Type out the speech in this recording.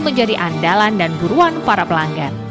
menjadi andalan dan buruan para pelanggan